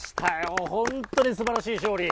本当に素晴らしい勝利。